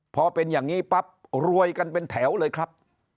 พอเป็นอย่างนี้ปั๊บรวยกันเป็นแถวเลยครับ